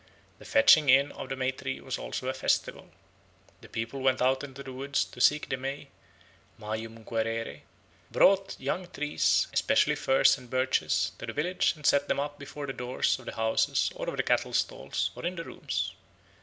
The fetching in of the May tree was also a festival. The people went out into the woods to seek the May (majum quaerere), brought young trees, especially firs and birches, to the village and set them up before the doors of the houses or of the cattle stalls or in the rooms.